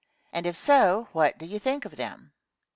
and if so what do you think of them?